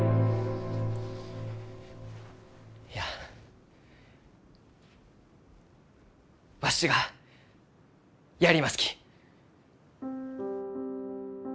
いやわしはやりますき。